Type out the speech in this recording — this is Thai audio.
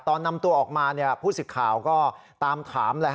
ตอนนำตัวออกมาผู้สิทธิ์ข่าวก็ตามถามเลย